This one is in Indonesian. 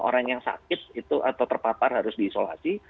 orang yang sakit itu atau terpapar harus diisolasi